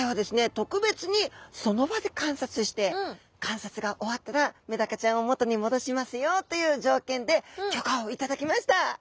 特別にその場で観察して観察が終わったらメダカちゃんを元に戻しますよという条件で許可をいただきました！